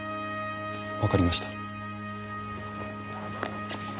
分かりました。